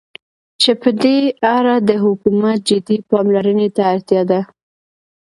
چې په دې اړه د حكومت جدي پاملرنې ته اړتيا ده.